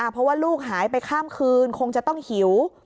เพราะว่าลูกหายไปข้ามคืนคงจะต้องหิว